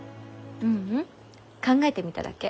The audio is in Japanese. ううん。考えてみただけ。